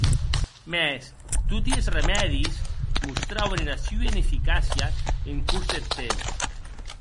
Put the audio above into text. Mès toti es remèdis mostrauen era sua ineficàcia en cors deth temps.